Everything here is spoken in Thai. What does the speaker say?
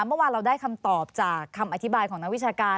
เมื่อวานเราได้คำตอบจากคำอธิบายของนักวิชาการ